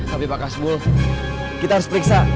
tapi pak kasbull kita harus periksa